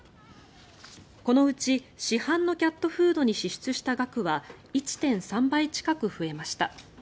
このうち市販のキャットフードに支出した額は１．３倍近く増えました。